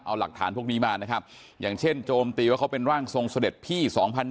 เอาหลักฐานพวกนี้มานะครับอย่างเช่นโจมตีว่าเขาเป็นร่างทรงเสด็จพี่๒๐๒๐